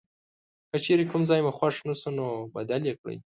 که چیرې کوم ځای مو خوښ نه شو نو بدل یې کړئ.